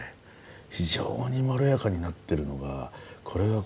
非常にまろやかになってるのがこれがこの四段仕込みの。